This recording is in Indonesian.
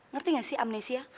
ngerti gak sih amnesia